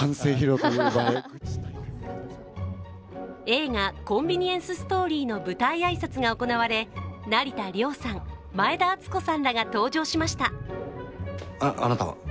映画「コンビニエンス・ストーリー」の舞台挨拶が行われ、成田凌さん、前田敦子さんらが登場しました。